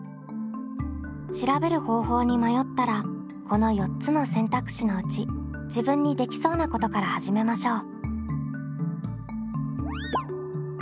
調べる方法に迷ったらこの４つの選択肢のうち自分にできそうなことから始めましょう。